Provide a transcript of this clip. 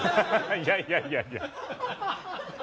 いやいやいやいや。